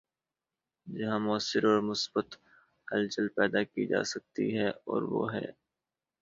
جہاں مؤثر اور مثبت ہلچل پیدا کی جا سکتی ہے‘ اور وہ ہے۔